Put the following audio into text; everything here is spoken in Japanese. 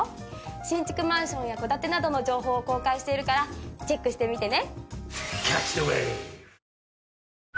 新築マンションや戸建てなどの情報を公開しているからチェックしてみてね。